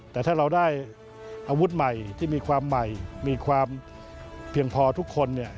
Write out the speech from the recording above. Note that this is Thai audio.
แต่ถ้าเราได้อาวุธใหม่ที่มีความใหม่มีความเพียงพอทุกคนเนี่ย